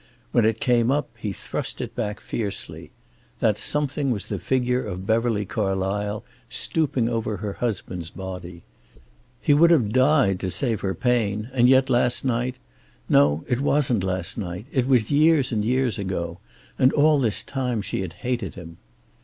When it came up he thrust it back fiercely. That something was the figure of Beverly Carlysle, stooping over her husband's body. He would have died to save her pain, and yet last night no, it wasn't last night. It was years and years ago, and all this time she had hated him.